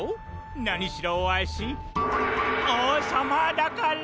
なにしろわしおうさまだから！